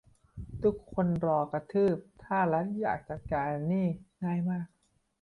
ทุกคนรอกระทืบ ถ้ารัฐอยากจัดการนี่ง่ายมาก